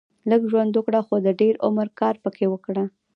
لږ ژوند وګړهٔ خو د دېر عمر کار پکښي وکړهٔ